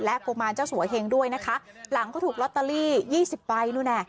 กุมารเจ้าสัวเฮงด้วยนะคะหลังก็ถูกลอตเตอรี่ยี่สิบใบนู่นน่ะ